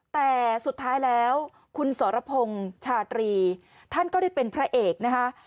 แต่สุดท้ายแล้วคุณสรพงศ์ชาตรีท่านก็ได้เป็นพระเอกนะคะ